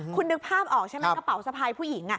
คุณนึกภาพออกใช่ไหมกระเป๋าสะพายผู้หญิง